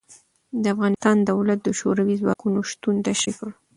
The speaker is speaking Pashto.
د افغانستان دولت د شوروي ځواکونو شتون تشرېح کړ.